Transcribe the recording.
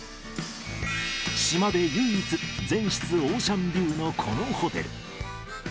島で唯一、全室オーシャンビューのこのホテル。